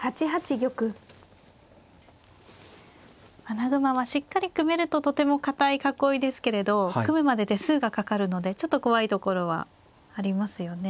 穴熊はしっかり組めるととても堅い囲いですけれど組むまで手数がかかるのでちょっと怖いところはありますよね。